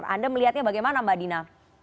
anda melihatnya bagaimana mbak dina